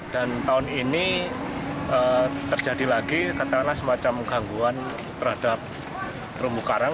dan tahun ini terjadi lagi katanya semacam gangguan terhadap perumbu karang